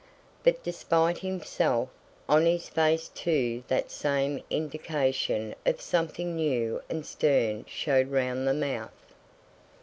But despite himself, on his face too that same indication of something new and stern showed round the mouth.